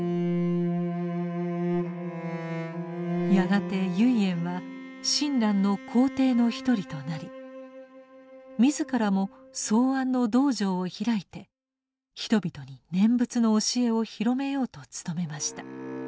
やがて唯円は親鸞の高弟の一人となり自らも草庵の道場を開いて人々に念仏の教えを広めようと努めました。